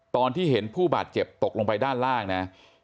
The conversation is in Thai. ตอนที่เห็นผู้บาดเจ็บตกลงไปด้านล่างนะ